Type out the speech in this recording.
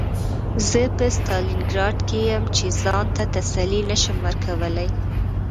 زه په ستالینګراډ کې یم چې ځان ته تسلي نشم ورکولی